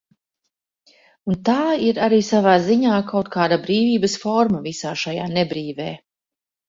Un tā ir arī savā ziņā kaut kāda brīvības forma visā šajā nebrīvē.